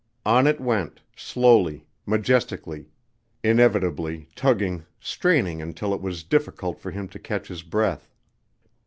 On it went, slowly, majestically, inevitably, tugging, straining until it was difficult for him to catch his breath.